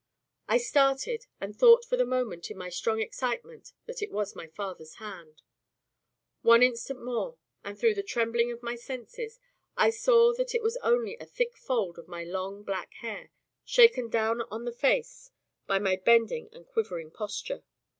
I started, and thought for the moment, in my strong excitement, that it was my father's hand. One instant more, and, through the trembling of my senses, I saw that it was only a thick fold of my long black hair, shaken down on the face by my bending and quivering posture.